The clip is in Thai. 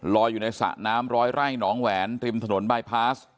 อยู่ในสระน้ำร้อยไร่หนองแหวนริมถนนบายพาส